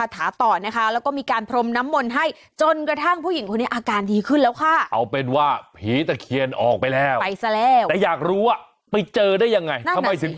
แต่อยากรู้ไปเจอได้ยังไงทำไมถึงเป็นอย่างนี้